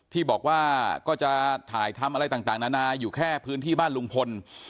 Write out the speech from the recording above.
ที่บอกว่าก็จะถ่ายทำอะไรต่างนานาอยู่แค่พื้นที่บ้านลุงพล